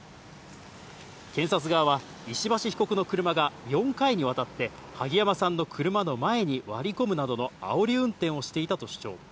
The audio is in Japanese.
検察側は石橋被告の車が４回にわたって萩山さんの車の前に割り込むなどのあおり運転をしていたと主張。